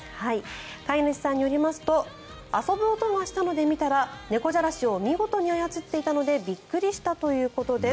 飼い主さんによりますと遊ぶ音がしたので見たら猫じゃらしを見事に操っていたのでびっくりしたということです。